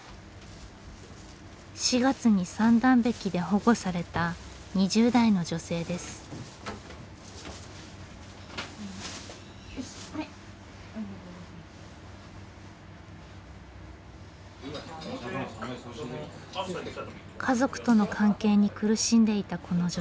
４月に三段壁で保護された家族との関係に苦しんでいたこの女性。